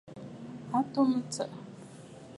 A tum ɨtsə̀ʼə̀.